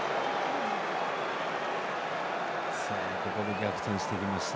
ここで逆転してきました。